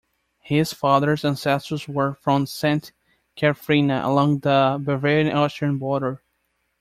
His father's ancestors were from Sankt Kathrina, along the Bavarian-Austrian border.